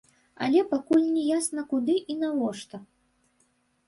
Але пакуль не ясна куды і навошта.